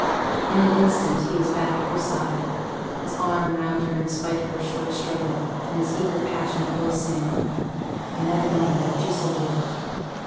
In an instant he was back at her side, his arm round her in spite of her short struggle, and his eager passionate voice saying, 'Yo' never knowed I loved you, Sylvia?